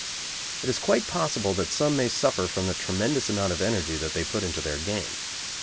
It is quite possible that some may suffer from the tremendous amount of energy that they put into their game.